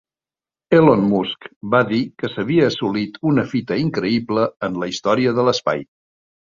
Elon Musk va dir que s'havia assolit una fita increïble en la història de l'espai.